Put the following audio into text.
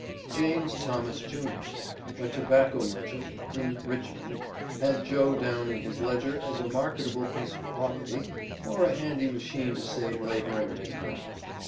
James Thomas, Jr., a tobacco merchant, in Richmond, had Joe down in his ledger as a marketable piece of property, or a handy machine to save labor, and make money.